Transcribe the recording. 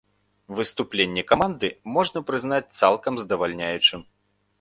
Выступленне каманды можна прызнаць цалкам здавальняючым.